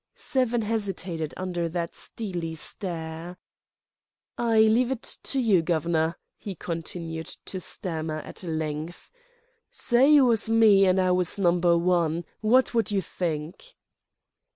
Seven hesitated under that steely stare. "I leave it to you, Gov'ner," he continued to stammer at length. "S'y you was me and I was Number One—w'at would you think?"